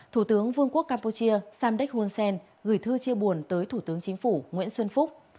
thủ tướng vương quốc campuchia samdech hunsen gửi thư chia buồn tới thủ tướng chính phủ nguyễn xuân phúc